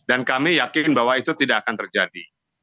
dan kami yakin bahwa itu tidak akan terjadi